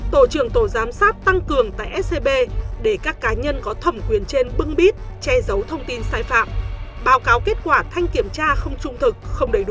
tổ trưởng tổ giám sát tăng cường tại scb để các cá nhân có thẩm quyền trên bưng bít che giấu thông tin sai phạm báo cáo kết quả thanh kiểm tra không trung thực không đầy đủ